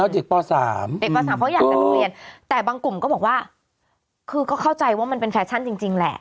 แล้วเด็กป่อสามเพราะอยากลงโรงเรียนแต่บางกลุ่มก็บอกว่าคือเขาเข้าใจว่ามันเป็นแฟชั่นจริงแหละ